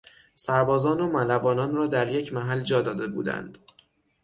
سربازان و ملوانان را در یک محل جا داده بودند.